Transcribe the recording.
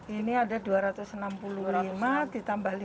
ini ada dua ratus enam puluh lima ditambah lima ratus